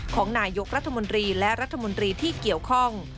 ของนายกรัฐมนตรีและรัฐมนตรีที่เกี่ยวข้อง